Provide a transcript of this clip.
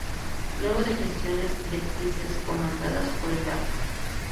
Luego de gestiones directrices comandadas por el Arq.